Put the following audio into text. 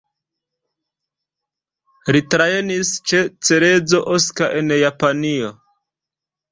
Li trejnis ĉe Cerezo Osaka en Japanio.